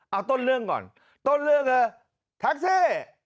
เอาต้นเรื่องก่อนต้นเรื่องคือแท็กซี่